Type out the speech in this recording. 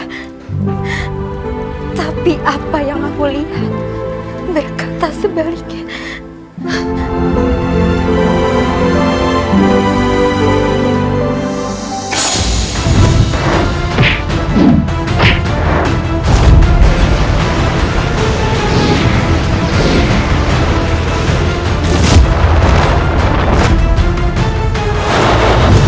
hanya dengan quiternya adalah pembawa bantuan apel